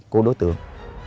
của đối tượng